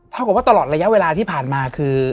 กับว่าตลอดระยะเวลาที่ผ่านมาคือ